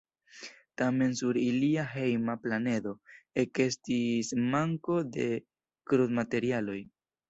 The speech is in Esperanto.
Tamen sur ilia hejma planedo ekestis manko de krudmaterialoj.